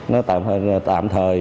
nó tạm thời